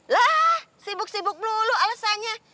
lah sibuk sibuk lu lu alesannya